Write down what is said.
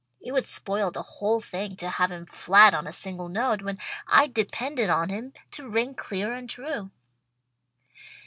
It would spoil the whole thing to have him flat on a single note when I'd depended on him to ring clear and true."